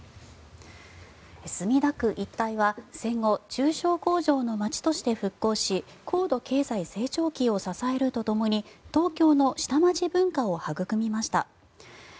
墨田区一帯は戦後、中小工場の町として復興し高度経済成長期を支えるとともに東京の下町文化をはぐくみました。